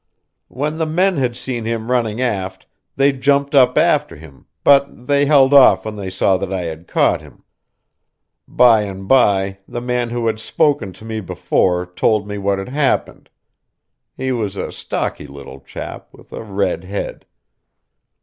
When the men had seen him running aft, they jumped up after him, but they held off when they saw that I had caught him. By and by, the man who had spoken to me before told me what had happened. He was a stocky little chap, with a red head.